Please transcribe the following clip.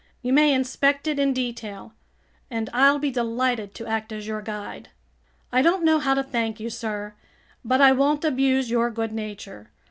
You may inspect it in detail, and I'll be delighted to act as your guide." "I don't know how to thank you, sir, but I won't abuse your good nature.